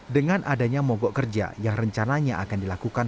dengan adanya mogok kerja yang rencananya akan dilakukan